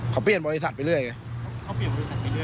เขาเปลี่ยนบริษัทไปเรื่อยด้วย